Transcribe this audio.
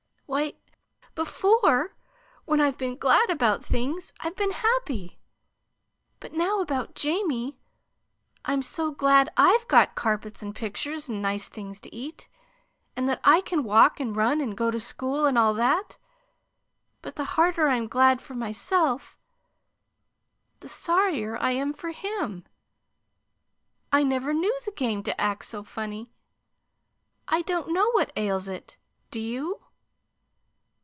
Why, before, when I've been glad about things, I've been happy. But now, about Jamie I'm so glad I've got carpets and pictures and nice things to eat, and that I can walk and run, and go to school, and all that; but the harder I'm glad for myself, the sorrier I am for him. I never knew the game to act so funny, and I don't know what ails it. Do you?"